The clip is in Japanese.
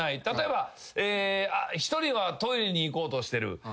例えば１人はトイレに行こうとしてる。